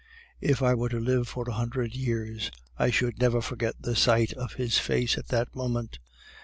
If I were to live for a hundred years, I should never forget the sight of his face at that moment.